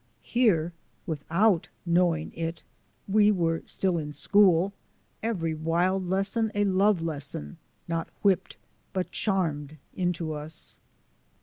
Here, without knowing it, we still were in school; every wild lesson a love lesson, not whipped but charmed into us."